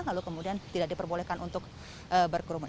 lalu kemudian tidak diperbolehkan untuk berkerumun